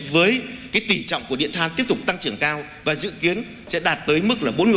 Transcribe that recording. với cái tỉ trọng của điện than tiếp tục tăng trưởng cao và dự kiến sẽ đạt tới mức là bốn mươi